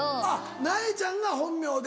ナエちゃんが本名で。